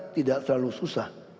tidak selalu susah